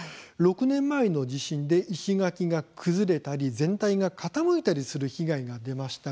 ６年前の地震で石垣が崩れたり全体が傾いたりする被害が出ました。